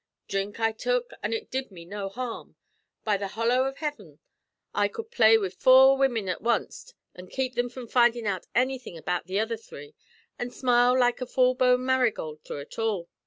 Dhrink I tuk, an' ut did me no harm. By the hollow av hiven, I could play wid four women at wanst, an' kape thim from findin' out anything about the other three, and smile like a full blown marigold through ut all.